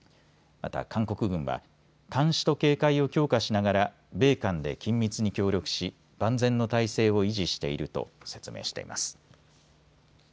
また、韓国軍は監視と警戒を強化しながら米韓で緊密に協力し万全の態勢を維持していると説明しています。